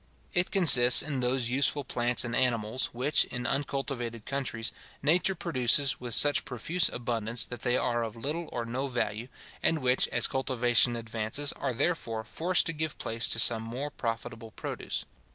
It consists in those useful plants and animals, which, in uncultivated countries, nature produces with such profuse abundance, that they are of little or no value, and which, as cultivation advances, are therefore forced to give place to some more profitable produce.